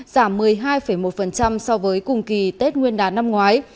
giảm một mươi hai một so với cùng kỳ tết nguyên đán năm ngoái